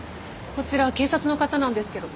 こちら警察の方なんですけど。